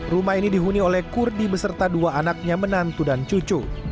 rumah ini dihuni oleh kurdi beserta dua anaknya menantu dan cucu